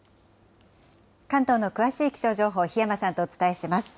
関東の詳しい気象情報、檜山さんとお伝えします。